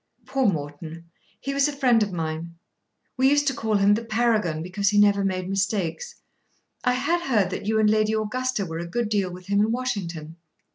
"Poor Morton. He was a friend of mine. We used to call him the Paragon because he never made mistakes. I had heard that you and Lady Augusta were a good deal with him in Washington."